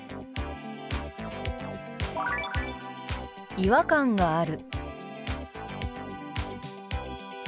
「違和感がある」。